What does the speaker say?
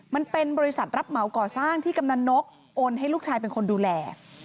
บริษัทรับเหมาก่อสร้างที่กำนันนกโอนให้ลูกชายเป็นคนดูแล